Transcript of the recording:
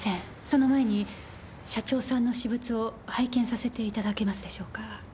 その前に社長さんの私物を拝見させていただけますでしょうか？